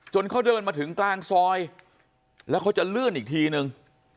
เขาเดินมาถึงกลางซอยแล้วเขาจะลื่นอีกทีนึง